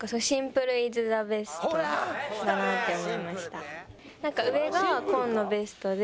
だなって思いました。